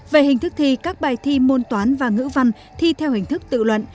về hình thức thi các bài thi môn toán và ngữ văn thi theo hình thức tự luận